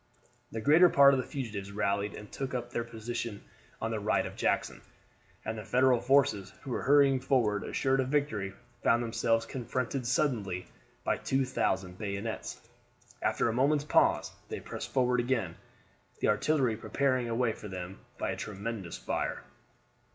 The greater part of the fugitives rallied, and took up their position on the right of Jackson, and the Federal forces, who were hurrying forward assured of victory, found themselves confronted suddenly by 2,000 bayonets. After a moment's pause they pressed forward again, the artillery preparing a way for them by a tremendous fire.